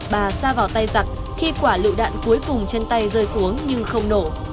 bà xa vào tay giặc khi quả lựu đạn cuối cùng trên tay rơi xuống nhưng không nổ